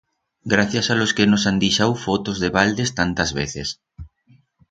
Gracias a los que nos han dixau fotos de baldes tantas veces.